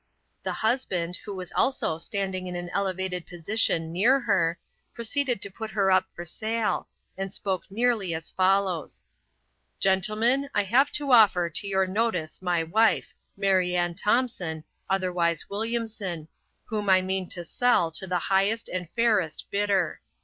The husband, who was also standing in an elevated position near her, proceeded to put her up for sale, and spoke nearly as follows: 'Gentlemen, I have to offer to your notice my wife, Mary Anne Thompson, otherwise Williamson, whom I mean to sell to the highest and fairest bidder.